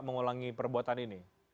mengulangi perbuatan ini